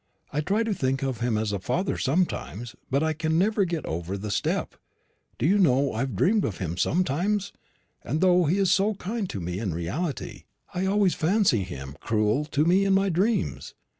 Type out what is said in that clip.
I try to think of him as a father sometimes, but I never can get over the 'step.' Do you know I have dreamed of him sometimes? and though he is so kind to me in reality, I always fancy him cruel to me in my dreams.